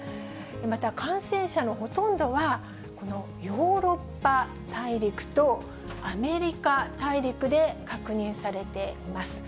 また感染者のほとんどは、このヨーロッパ大陸とアメリカ大陸で確認されています。